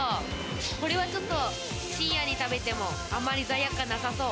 これはちょっと深夜に食べても、あまり罪悪感なさそう。